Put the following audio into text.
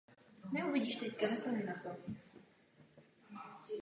Dále vytvoření pracovních příležitostí pro Romy.